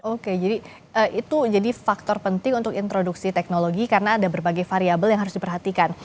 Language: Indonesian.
oke jadi itu jadi faktor penting untuk introduksi teknologi karena ada berbagai variable yang harus diperhatikan